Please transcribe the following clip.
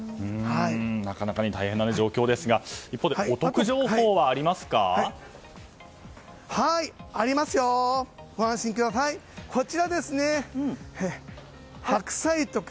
なかなか大変な状況ですが一方でお得情報はありますか？